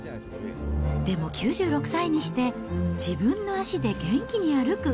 でも９６歳にして自分の足で元気に歩く。